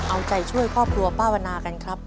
เอาใจช่วยครอบครัวป้าวันนากันครับ